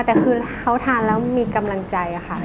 แต่คือเขาทานแล้วมีกำลังใจค่ะ